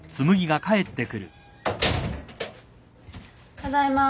ただいま。